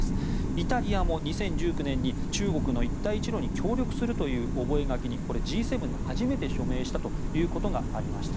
イタリアも２０１９年に中国の一帯一路に協力するという覚書にＧ７で初めて署名したということがありました。